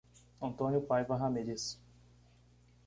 Antônio Paiva Ramires